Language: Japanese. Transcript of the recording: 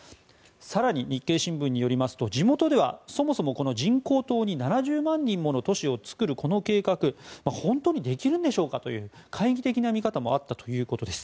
更に日経新聞によりますと地元ではそもそもこの人工島に７０万人もの都市を作るこの計画が本当にできるんでしょうかという懐疑的な見方もあったということです。